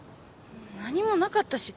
何もなかったし。